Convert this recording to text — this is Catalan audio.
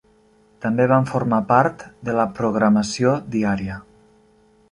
També van formar part de la programació diària.